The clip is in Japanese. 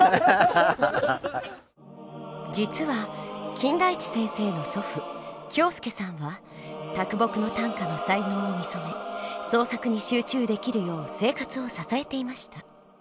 実は金田一先生の祖父京助さんは木の短歌の才能を見初め創作に集中できるよう生活を支えていました。